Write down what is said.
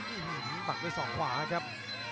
อื้อหือปักด้วยสองขวาครับ